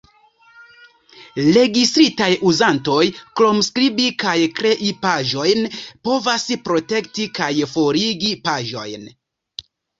Registritaj uzantoj, krom skribi kaj krei paĝojn, povas protekti kaj forigi paĝojn.